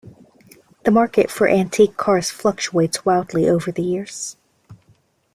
The market for antique cars fluctuates wildly over the years.